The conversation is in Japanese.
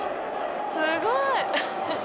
すごい。